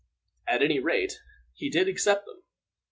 At any rate, he did accept them.